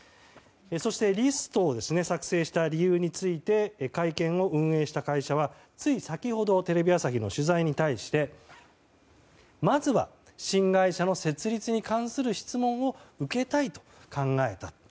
そして、リストを作成した理由について会見を運営した会社はつい先ほどテレビ朝日の取材に対してまずは新会社の設立に関する質問を受けたいと考えた。